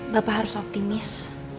bapak harus optimis